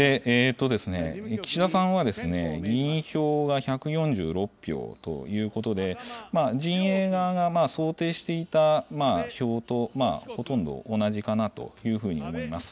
岸田さんは議員票が１４６票ということで、陣営側が想定していた票とほとんど同じかなというふうに思います。